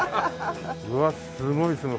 うわっすごいすごい。